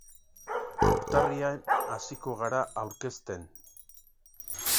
Urtarrilean hasiko gara aurkezten.